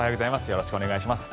よろしくお願いします。